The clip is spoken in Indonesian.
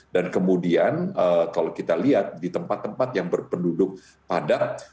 dan kemudian kalau kita lihat di tempat tempat yang berpenduduk padat